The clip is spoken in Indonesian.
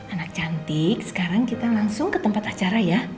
anak cantik sekarang kita langsung ke tempat acara ya